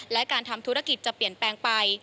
และการทำธุรกิจจะเปลี่ยนแปลงไป